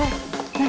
何？